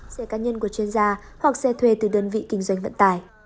xe cá nhân của chuyên gia hoặc xe thuê từ đơn vị kinh doanh vận tải